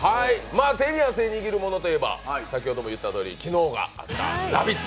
手に汗握るものといえば、先ほども言ったとおり、昨日がＬＯＶＥＩＴ！